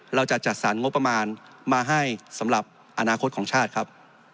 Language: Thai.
จัดสรรงบประมาณมาให้สำหรับอนาคตของชาติครับ